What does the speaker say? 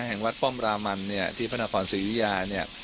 แห่งวัดป้อมรามันเนี่ยที่พระนครศรียุยาเนี่ย